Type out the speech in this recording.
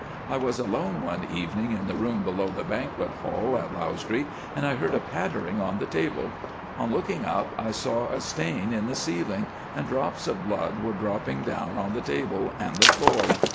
"I was alone one evening in the room below the banquet hall at Lausdree and heard a pattering on the table. On looking up I saw a stain in the ceiling, and drops of blood were dropping down on the table and the floor.